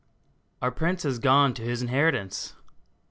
ROY Our Prince has gone to his inheritance